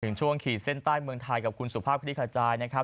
ถึงช่วงขี่เส้นใต้เมืองไทยกับคุณสุภาพคฤษฐาใจนะครับ